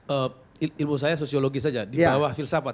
untuk saya sosiologis saja di bawah filsafat